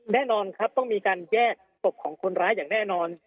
แน่นอนครับต้องมีการแยกศพของคนร้ายอย่างแน่นอน